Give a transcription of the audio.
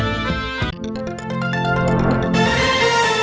โปรดติดตามตอนต่อไป